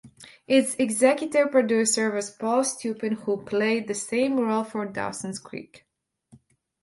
Its executive producer was Paul Stupin, who played the same role for "Dawson's Creek".